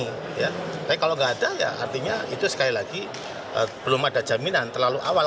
tapi kalau nggak ada ya artinya itu sekali lagi belum ada jaminan terlalu awal